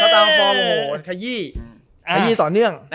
เขาตามร่วมต้อนเงื่อง